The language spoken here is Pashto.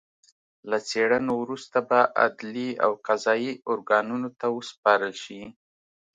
له څېړنو وروسته به عدلي او قضايي ارګانونو ته وسپارل شي